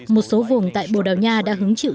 một số vùng tại bồ đào nha đã hứng chịu